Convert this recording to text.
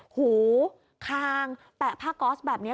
หูคางแปะผ้าก๊อสแบบนี้